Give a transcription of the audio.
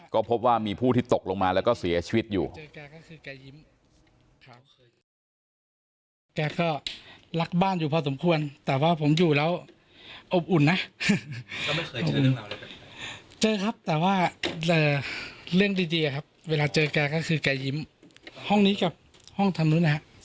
ก็พบว่ามีผู้ที่ตกลงมาแล้วก็เสียชีวิตอยู่